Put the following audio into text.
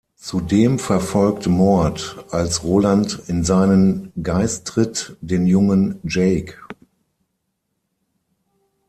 Zudem verfolgt Mort, als Roland in seinen Geist tritt, den Jungen Jake.